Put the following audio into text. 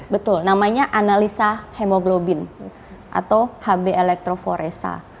betul namanya analisa hemoglobin atau hb elektroforessa